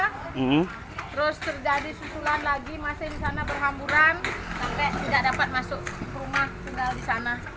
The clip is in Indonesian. terus terjadi susulan lagi masih di sana berhamburan sampai tidak dapat masuk rumah tinggal di sana